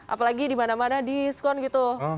apalagi di mana mana diskon gitu